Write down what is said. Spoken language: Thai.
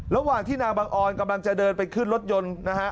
ระหว่างที่นางบังออนกำลังจะเดินไปขึ้นรถยนต์นะฮะ